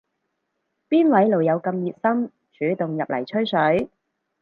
邊位老友咁熱心主動入嚟吹水